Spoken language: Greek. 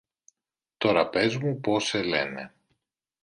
Τώρα πες μου πώς σε λένε.